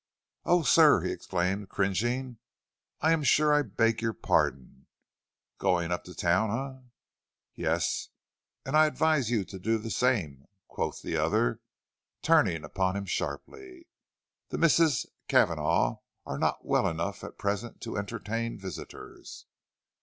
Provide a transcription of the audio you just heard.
"Oh, sir," he exclaimed, cringing, "I am sure I beg your pardon. Going up to town, eh?" "Yes, and I advise you to do the same," quoth the other, turning upon him sharply. "The Misses Cavanagh are not well enough at present to entertain visitors."